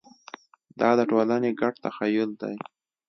دا د ټولنې ګډ تخیل دی.